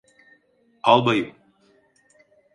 Albayım!